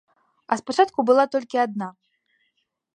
А спачатку была толькі адна.